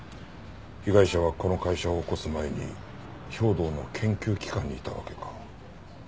被害者はこの会社を起こす前に兵働の研究機関にいたわけか。